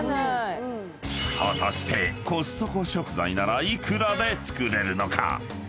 ［果たしてコストコ食材なら幾らで作れるのか？］